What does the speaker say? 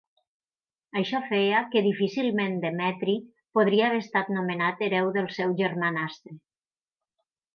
Això feia que difícilment Demetri podria haver estat nomenat hereu del seu germanastre.